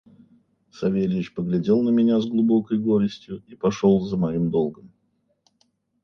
Савельич поглядел на меня с глубокой горестью и пошел за моим долгом.